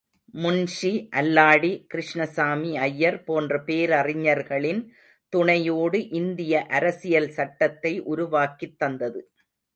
முன்ஷி, அல்லாடி கிருஷ்ணசாமி அய்யர் போன்ற பேரறிஞர்களின் துணையோடு இந்திய அரசியல் சட்டத்தை உருவாக்கித் தந்தது.